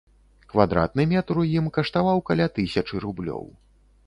Квадратны метр у ім каштаваў каля тысячы рублёў.